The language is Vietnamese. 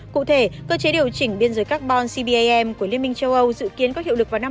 cụ thể cơ chế điều chỉnh biên giới carbon cbim của liên minh châu âu dự kiến có hiệu lực vào năm hai nghìn hai mươi